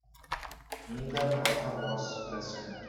Neither author was present.